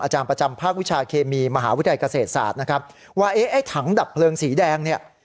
ประจำภาควิชาเคมีมหาวิทยาลัยเกษตรศาสตร์นะครับว่าเอ๊ะไอ้ถังดับเพลิงสีแดงเนี่ย